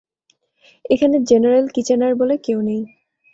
এখানে general Kitchener বলে কেউ নেই।